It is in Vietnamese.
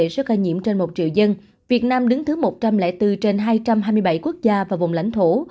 trong khi với tỷ lệ số ca nhiễm trên một triệu dân việt nam đứng thứ một trăm linh bốn trên hai trăm hai mươi bảy quốc gia và vùng lãnh thổ